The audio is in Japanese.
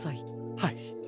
はい。